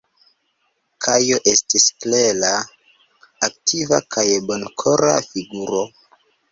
Kajo estis klera, aktiva kaj bonkora figuro.